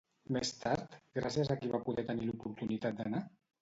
Més tard, gràcies a qui va poder tenir l'oportunitat d'anar?